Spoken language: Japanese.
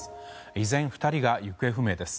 依然、２人が行方不明です。